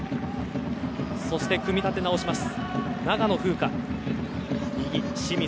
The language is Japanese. そして、組み立て直します。